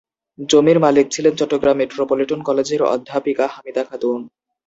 জমির মালিক ছিলেন চট্টগ্রাম মেট্রোপলিটন কলেজের অধ্যাপিকা হামিদা খাতুন।